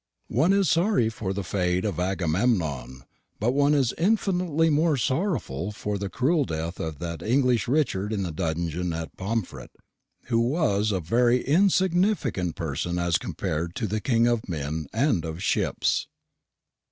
One is sorry for the fate of Agamemnon; but one is infinitely more sorrowful for the cruel death of that English Richard in the dungeon at Pomfret, who was a very insignificant person as compared to the king of men and of ships.